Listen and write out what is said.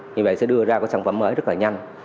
như vậy sẽ đưa ra cái sản phẩm mới rất là nhanh